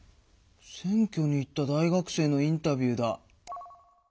選挙に行った大学生のインタビューだ。